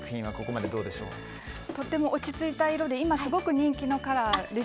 とても落ち着いた色で今、とても人気のカラーです。